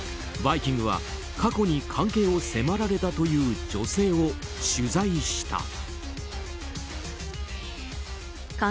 「バイキング」は過去に関係を迫られたという女性を取材した。